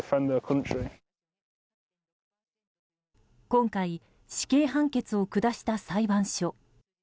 今回、死刑判決を下した裁判所。